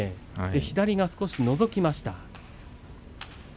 左が少しのぞきました。